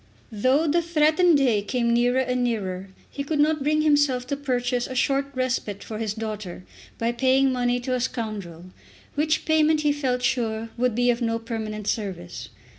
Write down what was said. Though the threatened day came nearer and nearer he could not bring himself to purchase a short respite for his daughter by paying money to a scoundrel, which payment he felt sure would be of no permanent service.